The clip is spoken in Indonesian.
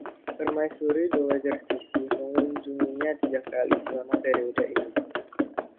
Permaisuri Dowager Cixi mengunjunginya tiga kali selama periode ini.